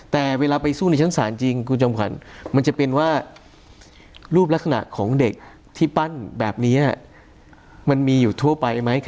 แต่เวลาไปสู้ในชั้นศาลจริงคุณจำขวัญมันจะเป็นว่ารูปลักษณะของเด็กที่ปั้นแบบนี้มันมีอยู่ทั่วไปไหม